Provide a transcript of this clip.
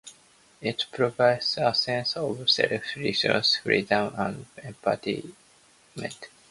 It provides a sense of self-reliance, freedom, and empowerment.